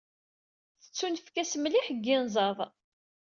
Tettunefk-as mliḥ deg yimẓad.